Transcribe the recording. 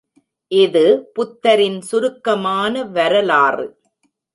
இது புத்தரின் சுருக்கமான வரலாறு.